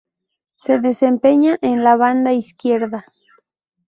Se desempeña en la banda izquierda.